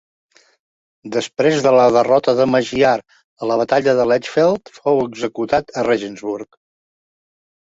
Després de la derrota de Magyar a la batalla de Lechfeld, fou executat a Regensburg.